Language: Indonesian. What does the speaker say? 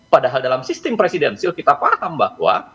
padahal dalam sistem presidensil kita paham bahwa